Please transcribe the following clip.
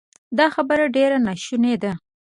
دا خبره ډېره ناشونې ده